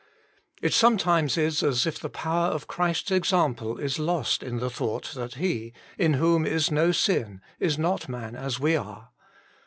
It sometimes is as if the power of Christ s example is lost in the thought that He, in whom is no sin, is not man as we are.